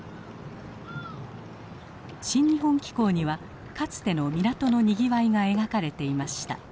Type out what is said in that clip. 「新日本紀行」にはかつての港のにぎわいが描かれていました。